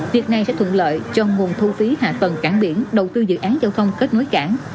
việc này sẽ thuận lợi cho nguồn thu phí hạ tầng cảng biển đầu tư dự án giao thông kết nối cảng